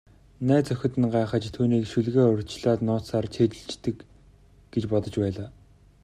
Найз охид нь гайхаж, түүнийг шүлгээ урьдчилаад нууцаар цээжилчихдэг гэж бодож байлаа.